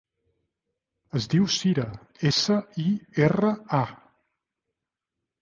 Es diu Sira: essa, i, erra, a.